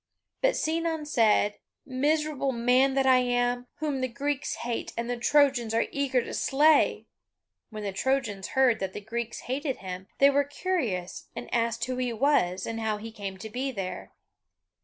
But Sinon said: "Miserable man that I am, whom the Greeks hate and the Trojans are eager to slay!" When the Trojans heard that the Greeks hated him, they were curious, and asked who he was, and how he came to be there.